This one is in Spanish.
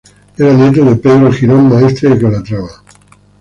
Era nieto de Pedro Girón, Maestre de Calatrava.